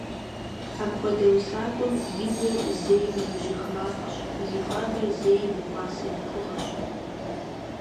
Апхуэдэ усакӀуэм и гур зэи мыужьых мафӀэщ, зи хуабэр зэи мыкӀуасэ нэхугъэщ.